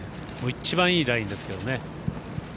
一番いいラインですけどね。